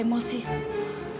jangan pakai emosi